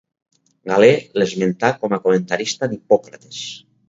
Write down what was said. Galè l'esmenta com a comentarista d'Hipòcrates.